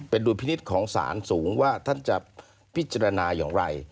เป็นดุลพินิษฐ์ของสารสูงว่าท่านจะพิจารณาอย่างไร